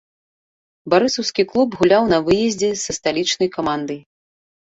Барысаўскі клуб гуляў на выездзе са сталічнай камандай.